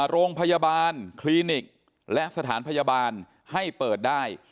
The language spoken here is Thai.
โรงพยาบาลคลินิกและสถานพยาบาลให้เปิดได้